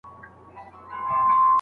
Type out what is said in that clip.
نږدې ګڼي، ناپوه دی.